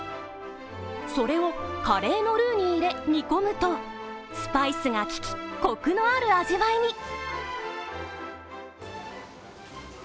それをカレーのルーに入れ、煮込むとスパイスが効き、コクのある味わいに。